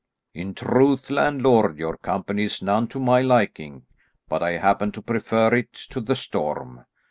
"In truth, landlord, your company is none to my liking, but I happen to prefer it to the storm.